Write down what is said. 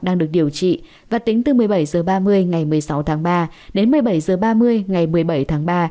đang được điều trị và tính từ một mươi bảy h ba mươi ngày một mươi sáu tháng ba đến một mươi bảy h ba mươi ngày một mươi bảy tháng ba